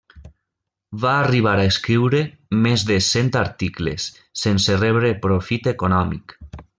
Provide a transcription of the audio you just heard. Va arribar a escriure més de cent articles, sense rebre profit econòmic.